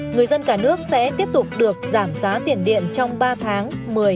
người dân cả nước sẽ tiếp tục được giảm giá tiền điện trong ba tháng một mươi một mươi một một mươi hai